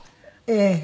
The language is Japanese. ええ。